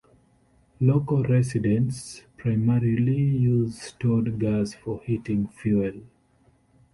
Local residents primarily use stored gas for heating fuel.